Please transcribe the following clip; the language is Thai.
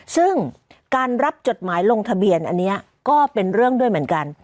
ซึ่งการรับจดหมายลงทะเบียนอันนี้ก็เป็นเรื่องด้วยเหมือนกัน